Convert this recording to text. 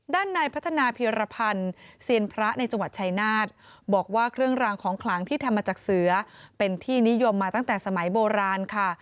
ด้านในพัฒนาเพียรพันธ์เซียนพระในจังหวัดชายนาฏบอกว่าเครื่องรางของขลังที่ทำมาจากเสือเป็นที่นิยมมาตั้งแต่สมัยโบราณค่ะ